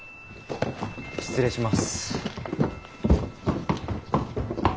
失礼します。